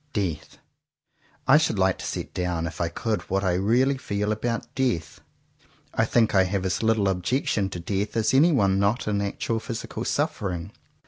Death! I should like to set down, if I could what I really feel about death. I think I have as little objection to death as anyone not in actual physical suffering.